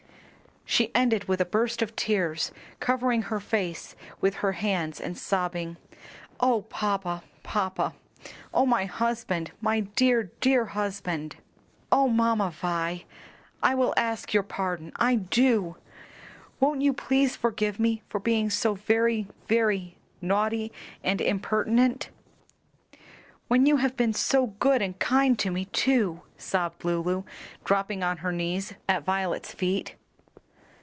She ended with a burst of tears, covering her face with her hands and sobbing, "O papa, papa! O my husband, my dear, dear husband!" "O Mamma Vi! I will ask your pardon I do! won't you please forgive me for being so very, very naughty and impertinent? when you have been so good and kind to me too," sobbed Lulu, dropping on her knees at Violet's feet.